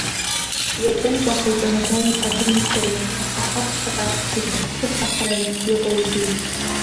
Иакәымкәа ҳаиҿанагалеит абрии сареи, аха ҳаԥхьаҟа иҳаԥсыхәахараны иҟоузеи?